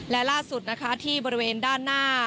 และล่าสุดนะคะที่บริเวณด้านหน้า